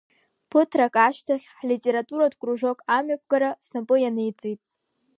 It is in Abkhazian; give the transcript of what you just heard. Ԥыҭрак ашьҭахь, ҳлитературатә кружок амҩаԥгара снапы ианиҵеит.